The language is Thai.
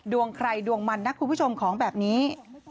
ดวงใครดวงมันนะคุณผู้ชมของแบบนี้